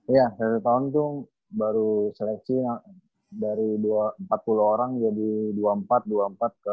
iya satu tahun itu baru seleksi dari empat puluh orang jadi dua puluh empat dua puluh empat ke dua puluh